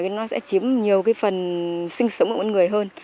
nó sẽ chiếm nhiều cái phần sinh sống của con người hơn